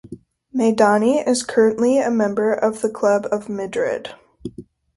Meidani is currently a member of the Club of Madrid.